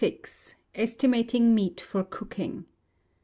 Estimating Meat for Cooking.